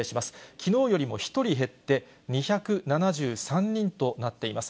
きのうよりも１人減って、２７３人となっています。